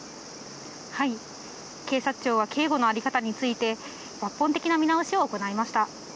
警察庁は警護の在り方について、抜本的な見直しを行いました。